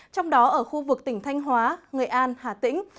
trong đó ở khu vực tỉnh thanh hóa nghệ an hà tĩnh